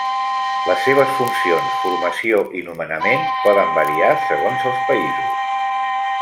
Les seves funcions, formació i nomenament poden variar segons els països.